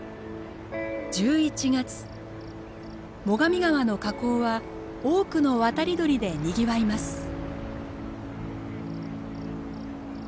最上川の河口は多くの渡り鳥でにぎわいます。